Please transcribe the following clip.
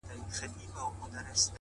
ماته را پاتې دې ښېرې” هغه مي بيا ياديږي”